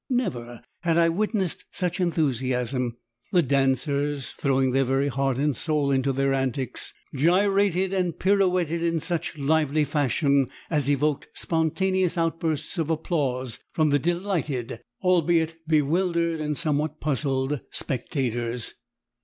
Never had I witnessed such enthusiasm; the dancers, throwing their very heart and soul into their antics, gyrated and pirouetted in such lively fashion as evoked spontaneous outbursts of applause from the delighted, albeit bewildered and somewhat puzzled spectators.